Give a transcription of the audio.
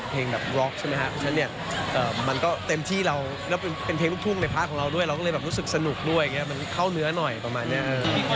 เพราะฉะนั้นมันก็เต็มที่เราแล้วเป็นเพลงทุกในพาร์ทของเราด้วยเราก็เลยแบบรู้สึกสนุกด้วยมันเข้าเนื้อหน่อยประมาณนี้